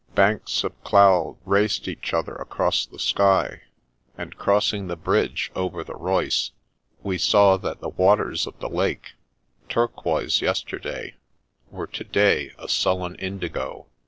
Banks of cloud raced each other across the sky, and, crossing the bridge over the Reuss, we saw that the waters of the Lake, turquoise yesterday, were to day a sullen indigo.